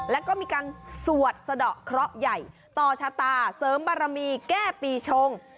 แล้วก็มีการสวดสะดอกเคราะห์ใหญ่ต่อชะตาเสริมบารมีแก้ปีชง